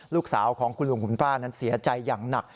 ลูกสาวของคุณลุงคุณป้านั้นเสียใจอย่างหนัก